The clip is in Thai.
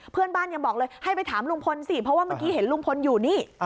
เพื่อนบ้านยังบอกเลยให้ไปถามลุงพลสิเพราะว่าเมื่อกี้เห็นลุงพลอยู่นี่